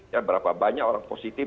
ya berapa banyak orang positif